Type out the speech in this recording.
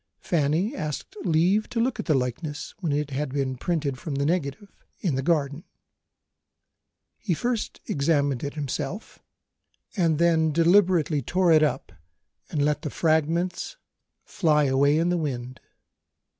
Fanny asked leave to look at the likeness when it had been "printed" from the negative, in the garden. He first examined it himself and then deliberately tore it up and let the fragments fly away in the wind.